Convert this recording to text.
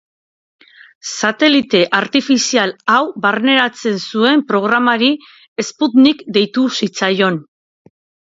Satelite artifizial hau barneratzen zuen programari Sputnik deitu zitzaion.